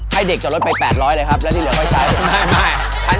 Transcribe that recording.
ให้เด็กจอดรถไป๘๐๐เลยครับแล้วที่เหลือค่อยใช้